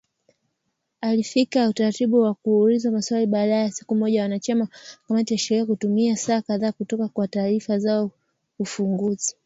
Alifikia utaratibu wa kuulizwa maswali baada ya siku moja wanachama wa kamati ya sheria kutumia saa kadhaa kutoa taarifa zao ufunguzi.